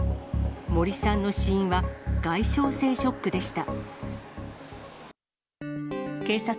森さんの死因は外傷性ショックでした。